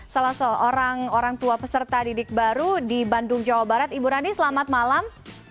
salah seorang orang tua peserta didik baru di bandung jawa barat ibu rani selamat malam